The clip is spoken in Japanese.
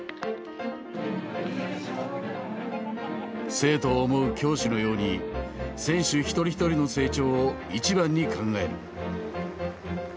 生徒を思う教師のように選手一人一人の成長を一番に考える。